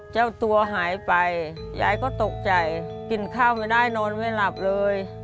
เจ้าตัวหายไปยายก็ตกใจกินข้าวไม่ได้นอนไม่หลับเลย